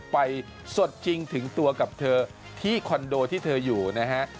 สดจริงถึงตัวกับเธอที่คอนโดที่เธออยู่นะฮะ